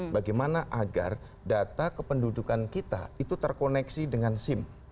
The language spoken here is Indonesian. bagaimana agar data kependudukan kita itu terkoneksi dengan sim